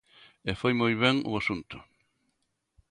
E foi moi ben o asunto.